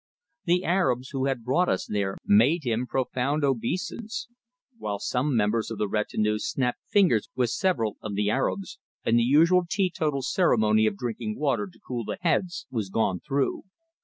The Arabs who had brought us there made him profound obeisance, while some members of the retinue snapped fingers with several of the Arabs, and the usual teetotal ceremony of drinking water to "cool the heads" was gone through.